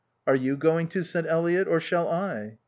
"Are you going to," said Eliot, "or shall I?"